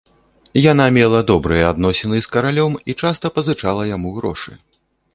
Яна мела добрыя адносіны з каралём і часта пазычала яму грошы.